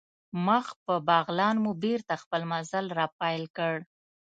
مخ په بغلان مو بېرته خپل مزل را پیل کړ.